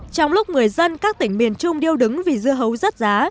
trong lúc người dân các tỉnh miền trung điêu đứng vì dưa hấu rớt giá